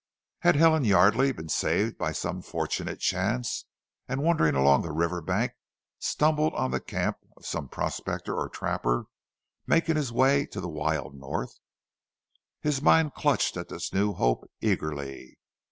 Had Helen Yardely been saved by some fortunate chance, and wandering along the river bank, stumbled on the camp of some prospector or trapper making his way to the wild North? His mind clutched at this new hope, eagerly.